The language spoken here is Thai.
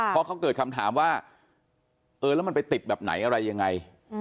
เพราะเขาเกิดคำถามว่าเออแล้วมันไปติดแบบไหนอะไรยังไง